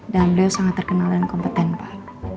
dan beliau sangat terkenal dan kompeten pak